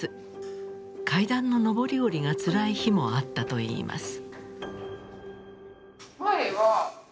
階段の上り下りがつらい日もあったといいます。